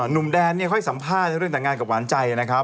หนุ่มแดนค่อยสัมภาษณ์เรื่องแต่งงานกับหวานใจนะครับ